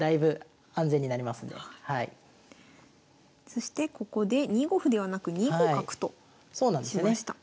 そしてここで２五歩ではなく２五角としました。